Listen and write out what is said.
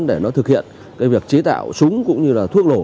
để nó thực hiện cái việc chế tạo súng cũng như là thuốc nổ